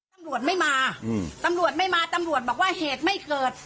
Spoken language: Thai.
ตำรวจไม่มาตำรวจไม่มาตำรวจบอกว่าเหตุไม่เกิด